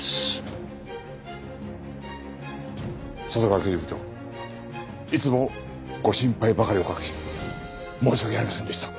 笹川刑事部長いつもご心配ばかりおかけし申し訳ありませんでした。